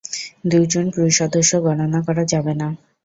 দুইজন ক্রু সদস্য গণনা করা যাবে না।